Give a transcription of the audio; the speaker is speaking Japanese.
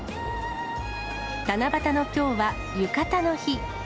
七夕のきょうは、ゆかたの日。